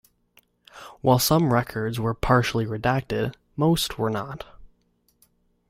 While some records were partially redacted, most were not.